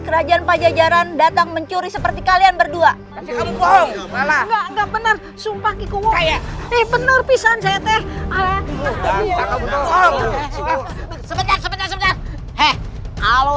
pajajaran pajajaran datang mencuri seperti kalian berdua enggak enggak benar sumpah kikubu